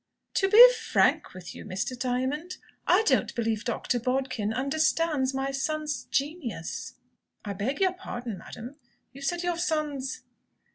"To be frank with you, Mr. Diamond, I don't believe Dr. Bodkin understands my son's genius." "I beg your pardon, madam, you said your son's